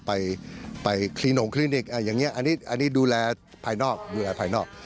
ไปคลินงคลินิกอย่างนี้อันนี้ดูแลภายนอกดูแลภายนอก